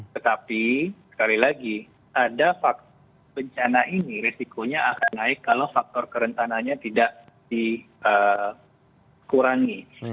tetapi sekali lagi ada bencana ini risikonya akan naik kalau faktor kerentananya tidak dikurangi